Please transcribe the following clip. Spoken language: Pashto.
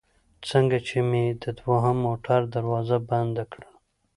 څنګه چې مې د دوهم موټر دروازه بنده کړل.